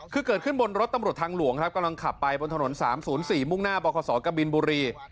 คือเกิดขึ้นบนรถตำรวจทางหลวงครับกำลังขับไปบนถนน๓๐๔มุ่งหน้าบคศกบินบุรี